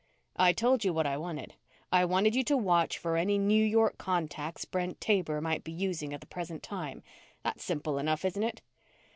"I told you what I wanted. I wanted you to watch for any New York contacts Brent Taber might be using at the present time. That's simple enough, isn't it?"